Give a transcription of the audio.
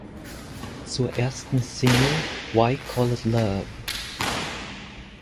Zur ersten Single "Why Call It Love?